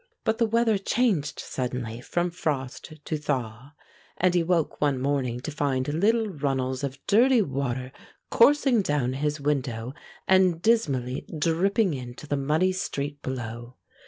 But the weather changed suddenly from frost to thaw, and he woke one morning to find little runnels of dirty water coursing down his window and dismally dripping into the muddy street below.